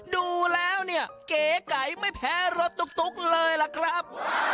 ดูแล้วเนี่ยเก๋ไก่ไม่แพ้รถตุ๊กเลยล่ะครับ